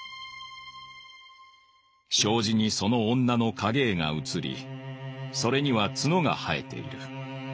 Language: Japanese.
障子にその女の影絵が映りそれには角が生えている。